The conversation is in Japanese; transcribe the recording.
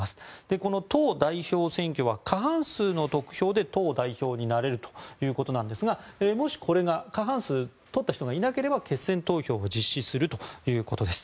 この党代表選挙は過半数の得票で党代表になれるということですがもしこれが過半数を取った人がいなければ決選投票を実施するということです。